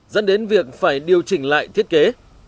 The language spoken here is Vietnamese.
dẫn đến việc phải điều chỉnh lại thiết kế